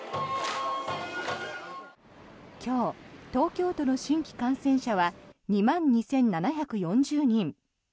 今日、東京都の新規感染者は２万２７４０人。